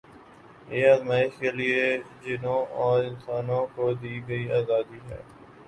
یہ آزمایش کے لیے جنوں اور انسانوں کو دی گئی آزادی ہے